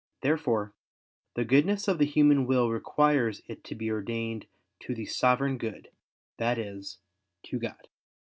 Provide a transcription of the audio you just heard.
Therefore the goodness of the human will requires it to be ordained to the Sovereign Good, that is, to God.